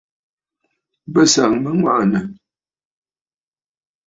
Bɨ sàŋ mə aŋwàʼànə̀.